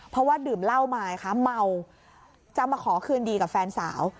เพราะว่าดื่มเหล้ามาไงคะเมาจะมาขอคืนดีกับแฟนสาว